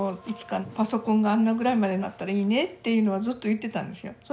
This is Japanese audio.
いつかパソコンがあんなぐらいまでなったらいいねっていうのはずっと言ってたんですよ。